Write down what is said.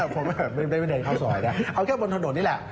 ผมไม่ได้เดินเข้าซอยนะเอาแค่บนถนนนี่แหละ